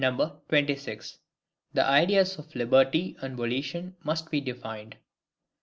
26. The ideas of LIBERTY and VOLITION must be defined.